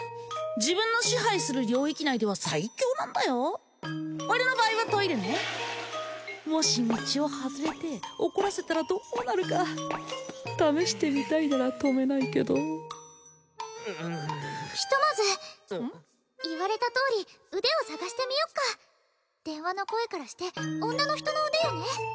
自分の支配する領域内ではサイキョーなんだよ俺のバアイはトイレねもし道を外れて怒らせたらどうなるか試してみたいなら止めないけどううひとまず言われたとおり腕を捜してみよっか電話の声からして女の人の腕よね